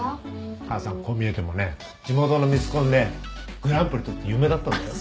母さんこう見えてもね地元のミスコンでグランプリ取って有名だったんだよ。